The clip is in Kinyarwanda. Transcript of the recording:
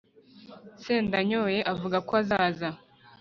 Sendanyoye avuze ko azaza